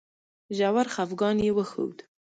ژور خپګان یې وښود.